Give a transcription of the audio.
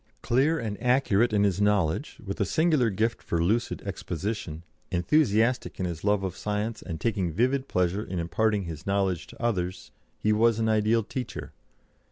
Clear and accurate in his knowledge, with a singular gift for lucid exposition, enthusiastic in his love of science, and taking vivid pleasure in imparting his knowledge to others, he was an ideal teacher.